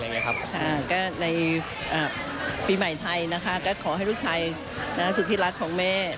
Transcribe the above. ก็ในปีใหม่ไทยนะคะก็ขอให้ลูกชายสุดที่รักของแม่